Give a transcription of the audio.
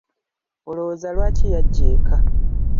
Olowooza lwaki yajja eka?